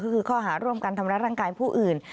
คือข้อหาโรงงานทำรัฐร่างกายผู้อื่น